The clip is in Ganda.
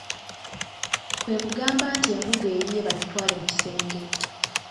Kwe kugamba nti engugu eyiye bagitwale mu kisenge.